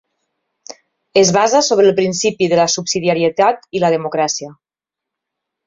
Es basa sobre el principi de subsidiarietat i la democràcia.